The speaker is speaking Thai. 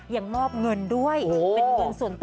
ยังมอบเงินด้วย